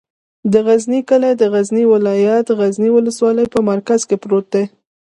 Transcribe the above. د غزنی کلی د غزنی ولایت، غزنی ولسوالي په مرکز کې پروت دی.